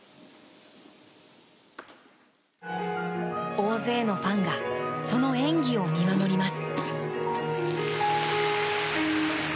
大勢のファンがその演技を見守ります。